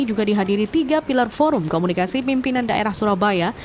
juga dihadiri tiga pilar forum komunikasi pimpinan daerah surabaya